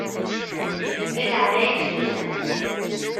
Di leɛnaya-k susem.